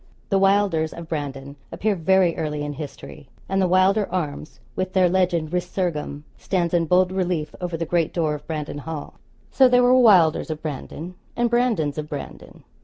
The Wylders of Brandon appear very early in history; and the Wylder arms, with their legend, 'resurgam,' stands in bold relief over the great door of Brandon Hall. So there were Wylders of Brandon, and Brandons of Brandon.